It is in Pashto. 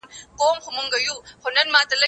هغه وويل چي بوټونه پاک ساتل مهم دي!.